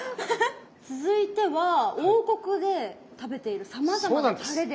続いては王国で食べているさまざまなたれで。